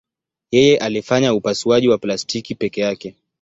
Yeye alifanya upasuaji wa plastiki peke yake.